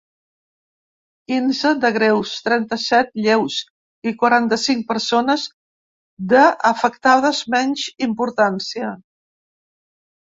Quinze de greus, trenta-set lleus i quaranta-cinc persones de afectades menys importància.